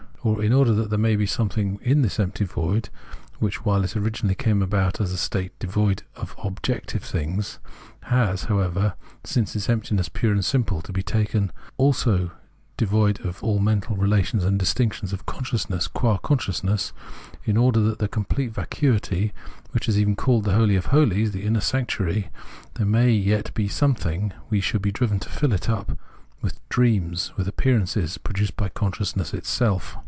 Or in order that there may be something in this empty void — which, while it originally came about as a state devoid of objective things, has, however, since it is emptiness pure and simple, to be taken to be also devoid of all mental relations and distinctions of consciousness qua consciousness — in order that in this complete vacuity, which is even called the holy of hohes, the inner sanctuary, there may yet be something, we should be driven to fill it up with dream ings, appearances, produced by consciousness itself.